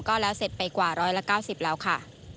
ก็แล้วเสร็จไปกว่า๑๙๐แล้วค่ะ